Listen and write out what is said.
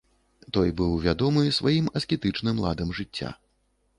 Той быў вядомы сваім аскетычным ладам жыцця.